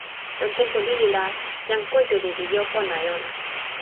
lon tenpo lili la, jan Kuntuli li jo pona e ona.